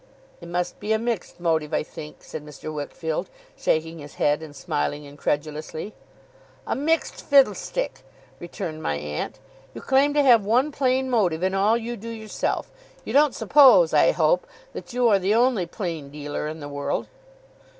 'It must be a mixed motive, I think,' said Mr. Wickfield, shaking his head and smiling incredulously. 'A mixed fiddlestick,' returned my aunt. 'You claim to have one plain motive in all you do yourself. You don't suppose, I hope, that you are the only plain dealer in the world?